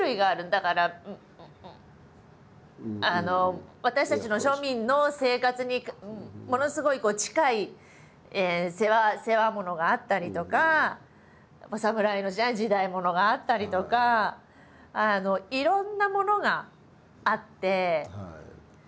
だから私たちの庶民の生活にものすごい近い世話物があったりとかお侍の時代時代物があったりとかいろんなものがあって。